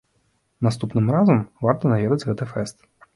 Наступным разам варта наведаць гэты фэст.